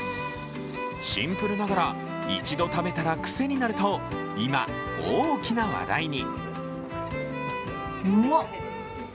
シンプルながら一度食べたら癖になると今、大きな話題に。